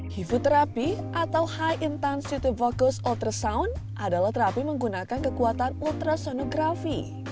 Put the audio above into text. hifu terapi atau high intensity vocal ultrasound adalah terapi menggunakan kekuatan ultrasonografi